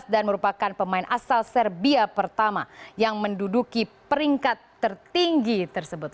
dan merupakan pemain asal serbia pertama yang menduduki peringkat tertinggi tersebut